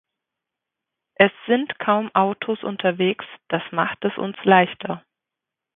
Es sind kaum Autos unterwegs, das macht es uns leichter.